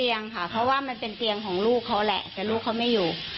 เตียงค่ะเพราะว่ามันเป็นเตียงของลูกเขาแหละแต่ลูกเขาไม่อยู่